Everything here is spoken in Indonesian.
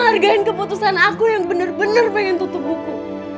hargai keputusan aku yang bener bener pengen tutup buku